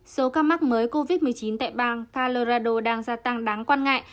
số ca mắc mới covid một mươi chín tại bang calorado đang gia tăng đáng quan ngại